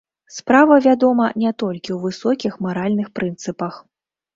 Справа, вядома, не толькі ў высокіх маральных прынцыпах.